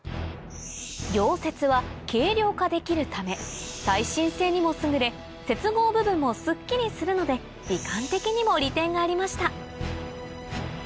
溶接は軽量化できるため耐震性にも優れ接合部分もすっきりするので美観的にも利点がありました